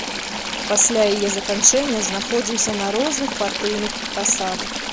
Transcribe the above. Пасля яе заканчэння знаходзіўся на розных партыйных пасадах.